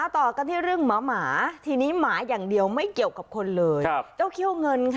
ต่อกระเทศรึงหมาหมาที่นี้หมาอย่างเดียวไม่เกี่ยวกับคนเลย